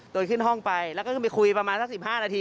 โดยขึ้นห้องไปแล้วก็ไปคุย๑๕นาที